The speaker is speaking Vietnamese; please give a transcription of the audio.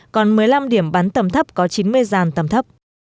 còn một mươi năm điểm bắn tầm thấp có chín mươi dàn tầm thấp